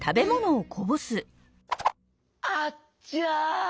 あっちゃ！